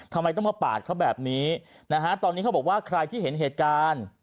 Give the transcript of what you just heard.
ทำไมต้องมาปาดเขาแบบนี้นะฮะตอนนี้เขาบอกว่าใครที่เห็นเหตุการณ์